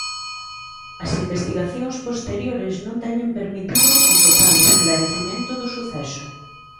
As investigacións posteriores non teñen permitido o total esclarecemento do suceso.